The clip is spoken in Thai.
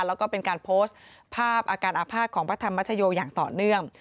แล้วก็เป็นการโพสต์ภาพอาการอาภาษณ์ของพระธรรมชโยอย่างต่อเนื่อง